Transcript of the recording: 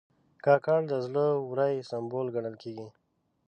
کاکړ د زړه ورۍ سمبول ګڼل کېږي.